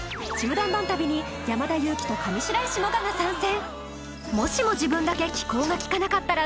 どんどん旅に山田裕貴と上白石萌歌が参戦